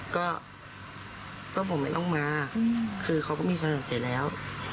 ก็ก็บอกไม่ต้องมาอืมคือเขาก็มีชั้นอย่างเจ็บแล้ว